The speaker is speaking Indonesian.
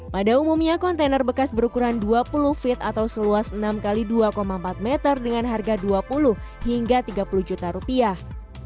pada umumnya kontainer bekas berukuran dua puluh feet atau seluas enam x dua empat meter dengan harga dua puluh hingga tiga puluh juta rupiah